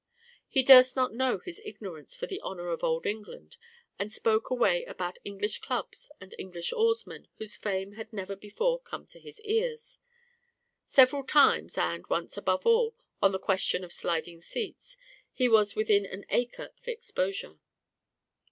He durst not own his ignorance for the honour of Old England, and spoke away about English clubs and English oarsmen whose fame had never before come to his ears. Several times, and, once above all, on the question of sliding seats, he was within an ace of exposure.